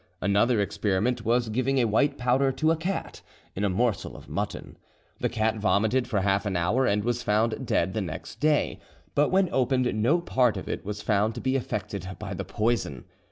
Another experiment was giving a white powder to a cat, in a morsel of mutton. The cat vomited for half an hour, and was found dead the next day, but when opened no part of it was found to be affected by the poison.